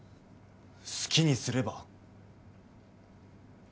好きにすれば？